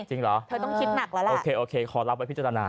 จริงเหรอเธอต้องคิดหนักแล้วล่ะโอเคโอเคขอรับไว้พิจารณา